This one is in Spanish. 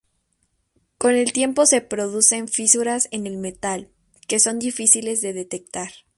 Con el tiempo se producen fisuras en el metal, que son difíciles de detectar.